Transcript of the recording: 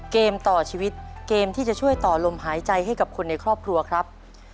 เกมต่อชีวิตเกมที่จะช่วยต่อลมหายใจให้กับคนในครอบครัวครับ